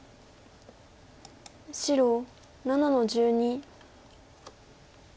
白７の十二。